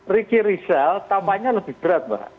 ricky rizal tampaknya lebih berat mbak